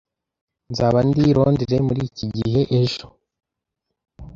Nzaba ndi i Londres muri iki gihe ejo.